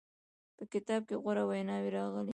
په کتاب کې غوره ویناوې راغلې.